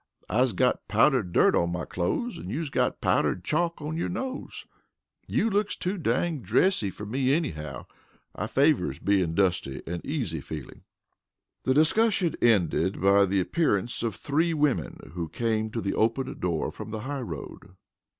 "I's got powdered dirt on my clothes an' you's got powdered chalk on yo' nose. You looks to dang dressy fer me anyhow. I favors bein' dusty an' easy feelin'." The discussion ended by the appearance of three women who came to the open door from the highroad.